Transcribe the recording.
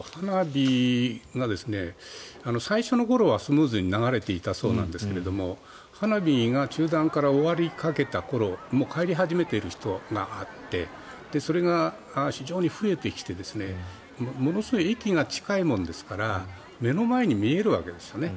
最初の頃はスムーズに流れていたそうなんですが花火が中盤から終わりかけた頃帰り始めている人があってそれが非常に増えてきてものすごく駅が近いもんですから目の前に見えるんですね。